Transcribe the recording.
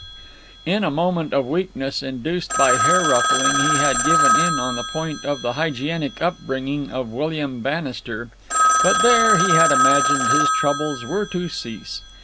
In a moment of weakness, induced by hair ruffling, he had given in on the point of the hygienic upbringing of William Bannister; but there, he had imagined, his troubles were to cease.